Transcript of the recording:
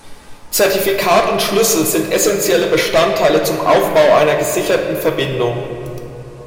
Zertifikat und Schlüssel sind essentielle Bestandteile zum Aufbau einer gesicherten Verbindung.